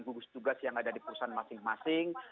gugus tugas yang ada di perusahaan masing masing